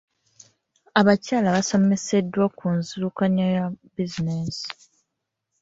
Abakyala baasomeseddwa ku nzirukanya ya bizinensi.